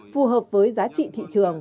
phù hợp với giá trị thị trường